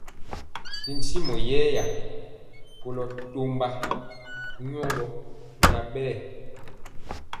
Ri ntimɔ yɛya koló tɔmba nyɔ nya bɛɛ.